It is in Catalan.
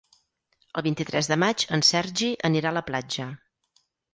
El vint-i-tres de maig en Sergi anirà a la platja.